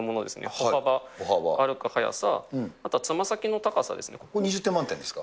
歩幅、歩く速さ、あとはつま先のここ２０点満点ですか。